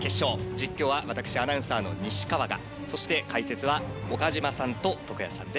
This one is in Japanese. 実況は私アナウンサーの西川がそして解説は岡島さんと徳谷さんです。